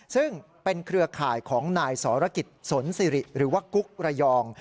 ซึ่งเป็นเครือข่ายของนายสรกิจสนสิริหรือว่ากุ๊กระยอง